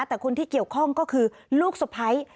แต่คนที่เกี่ยวข้องก็คือลูกสะพ้าย